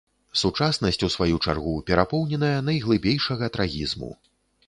Сучаснасць, у сваю чаргу, перапоўненая найглыбейшага трагізму.